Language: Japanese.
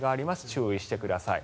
注意してください。